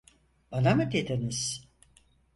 Bana mı dediniz?